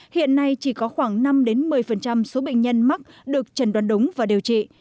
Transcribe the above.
hiện nay chỉ có khoảng năm một mươi số bệnh nhân mắc được trần đoán đúng và điều trị